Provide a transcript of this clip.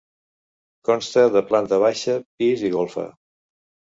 Consta de planta baixa, pis i golfa.